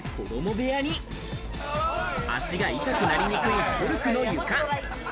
部屋に、足がいたくなりにくいコルクの床。